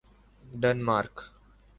Denmark